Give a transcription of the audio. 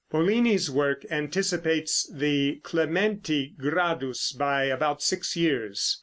Pollini's work anticipates the Clementi Gradus by about six years.